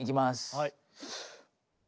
はい。